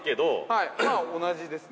◆はい、まあ同じですね。